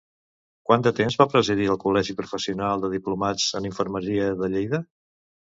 Quant de temps va presidir el Col·legi Professional de Diplomats en Infermeria de Lleida?